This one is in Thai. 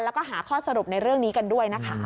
แล้วก็หาข้อสรุปในเรื่องนี้กันด้วยนะคะ